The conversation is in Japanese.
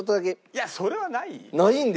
いやそれはないよ。